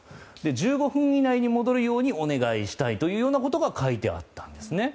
１５分以内に戻るようにお願いしたいということが書いてあったんですね。